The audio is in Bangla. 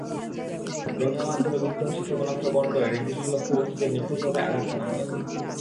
ড্রোনের মাধ্যমে বিধ্বংসী ক্ষেপণাস্ত্র বহন করে নির্দিষ্ট লক্ষ্যবস্তুতে নিখুঁতভাবে আঘাত হানা হয়।